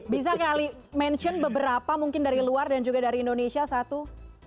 bisa kali mention beberapa mungkin dari luar dan juga dari indonesia satu